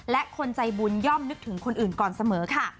และคนใจบุญย่อมนึกถึงคนอื่นก่อนเสมอค่ะ